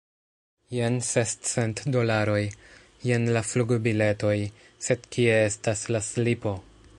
Jen sescent dolaroj, jen la flugbiletoj, sed kie estas la slipo?